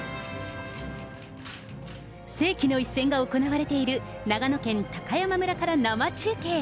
世紀の一戦が行われている長野県高山村から生中継。